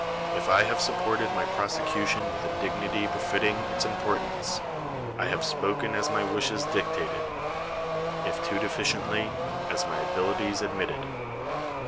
If 1 have supported my prosecution with a dignity befit ting its importance, I have spoken as my wishes dictated; if too deficiently, as my abilities ad mitted.